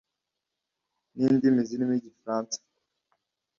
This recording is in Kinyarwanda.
n’indimi zirimo Igifaransa